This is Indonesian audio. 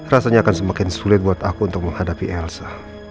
rasanya akan semakin sulit buat aku untuk menghadapi elsa